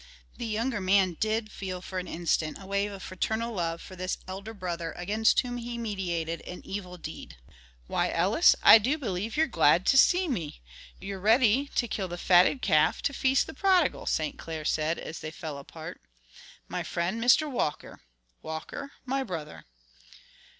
The younger man did feel for an instant a wave of fraternal love for this elder brother against whom he meditated [an evil] deed. "Why, Ellis, I do believe you're glad to see me. You're ready to kill the fatted calf to feast the prodigal," St. Clair said, as they fell apart. "My friend, Mr. Walker–Walker, my brother."